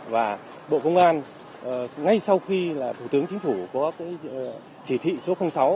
và bộ công an ngay sau khi là thủ tướng chính phủ có cái chỉ thị số sáu